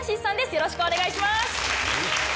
よろしくお願いします。